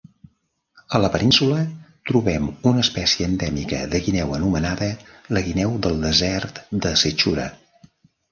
A la península trobem una espècie endèmica de guineu anomenada la guineu del desert de Sechura.